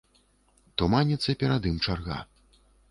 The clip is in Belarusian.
Туманіцца перад ім чарга.